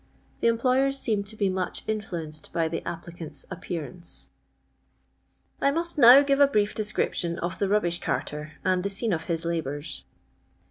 The employers seem to be much influenced by the applicant's appearance. I must now give a brief description of the nibbiith carter, and the scene of his labours.